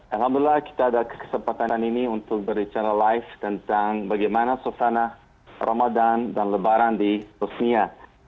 alhamdulillah kita ada kesempatan ini untuk berbicara live tentang bagaimana suasana ramadan dan lebaran di rusmia